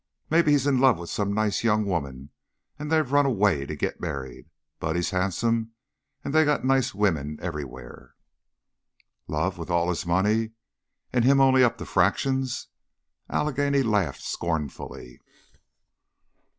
Mebbe he's in love with some nice young woman an' they've run away to git married. Buddy's han'some, and they got nice women everywhere " "Love? With all his money? And him only up to fractions?" Allegheny laughed scornfully.